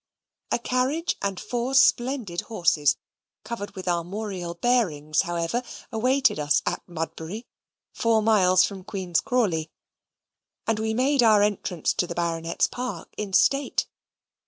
A carriage and four splendid horses, covered with armorial bearings, however, awaited us at Mudbury, four miles from Queen's Crawley, and we made our entrance to the baronet's park in state.